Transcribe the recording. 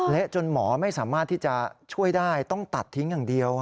จนหมอไม่สามารถที่จะช่วยได้ต้องตัดทิ้งอย่างเดียว